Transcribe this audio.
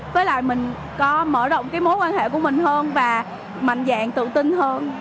với lại mình có mở rộng cái mối quan hệ của mình hơn và mạnh dạng tự tin hơn